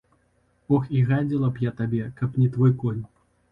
Ох і гадзіла б я табе, каб не твой конь.